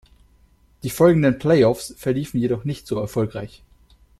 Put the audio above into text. Die folgenden Playoffs verliefen jedoch nicht so erfolgreich.